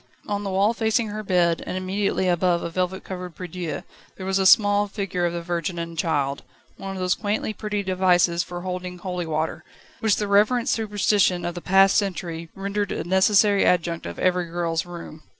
On the wall facing her bed, and immediately above a velvet covered prie dieu, there was a small figure of the Virgin and Child one of those quaintly pretty devices for holding holy water, which the reverent superstition of the past century rendered a necessary adjunct of every girl's room.